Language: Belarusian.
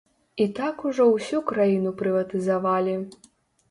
І так ужо ўсю краіну прыватызавалі.